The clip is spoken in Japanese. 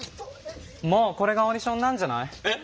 もうこれがオーディションなんじゃない？えっ！？